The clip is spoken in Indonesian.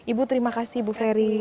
ibu terima kasih bu ferry